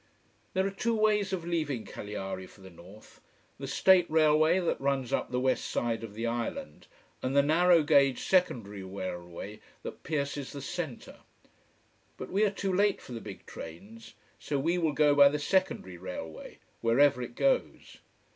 There are two ways of leaving Cagliari for the north: the State railway that runs up the west side of the island, and the narrow gauge secondary railway that pierces the centre. But we are too late for the big trains. So we will go by the secondary railway, wherever it goes.